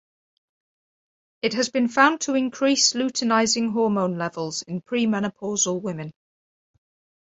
It has been found to increase luteinizing hormone levels in premenopausal women.